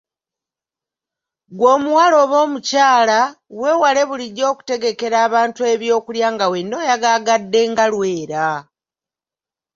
Ggwe omuwala oba omukyala, weewale bulijjo okutegekera abantu eby’okulya nga wenna oyagaagadde nga Lwera.